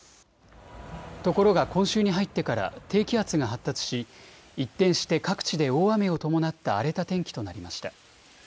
ところが今週に入ってから低気圧が発達し、一転して各地で大雨を伴った荒れた天気となりました。